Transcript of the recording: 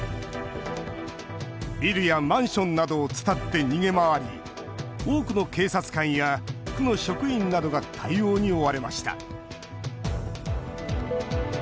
ビルやマンションなどを伝って逃げ回り多くの警察官や区の職員などが対応に追われました。